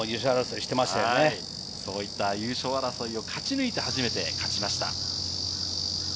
優勝争いを勝ち抜いて、初めて勝ちました。